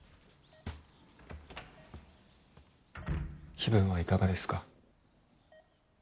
気分はいかがですか？